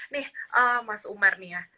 nih mas umar nih ya